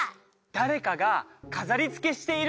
誰かが飾りつけしている。